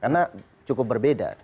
karena cukup berbeda